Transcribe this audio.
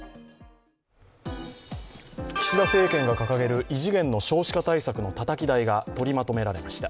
岸田政権が掲げる異次元の少子化対策のたたき台が取りまとめられました。